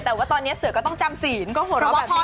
แต่ว่าตอนนี้เสือก็ต้องจำสิน